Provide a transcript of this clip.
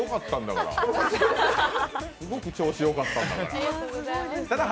すごく調子よかったんだから。